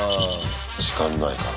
時間ないから。